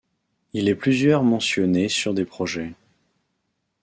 Il est plusieurs mentionné sur des projets.